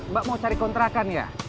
mbak mau cari kontrakan ya